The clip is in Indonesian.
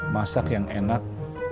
masak yang enak